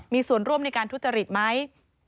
มีส่วนร่วมในการทุจริตไหม